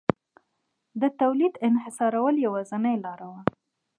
د تولید انحصارول یوازینۍ لار وه